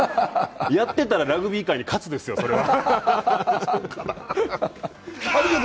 やってたらラグビー界に喝ですよ、それは。